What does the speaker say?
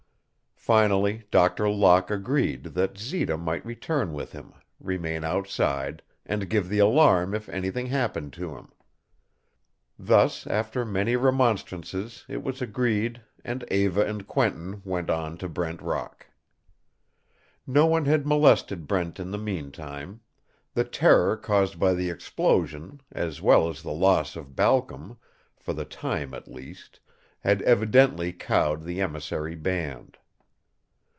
Finally Doctor Locke agreed that Zita might return with him, remain outside, and give the alarm if anything happened to him. Thus, after many remonstrances, it was agreed, and Eva and Quentin went on to Brent Rock. No one had molested Brent in the mean time. The terror caused by the explosion, as well as the loss of Balcom, for the time, at least, had evidently cowed the emissary band.